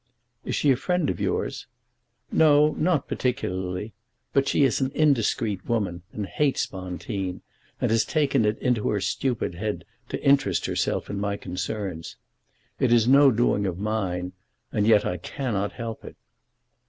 "Is she a friend of yours?" "No; not particularly. But she is an indiscreet woman, and hates Bonteen, and has taken it into her stupid head to interest herself in my concerns. It is no doing of mine, and yet I cannot help it."